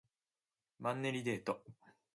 マンネリデート